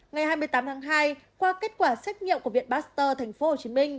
ngày hai mươi tám tháng hai qua kết quả xét nghiệm của viện pasteur tp hcm